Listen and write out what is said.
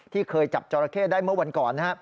เคยจับจอราเข้ได้เมื่อวันก่อน